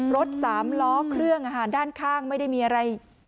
รถสามล้อเครื่องด้านข้างไม่ได้มีอะไร